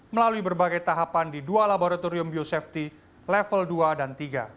melalui berbagai tahapan di dua laboratorium biosafety level dua dan tiga